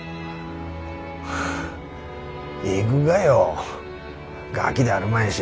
ハハ行ぐがよガギであるまいし。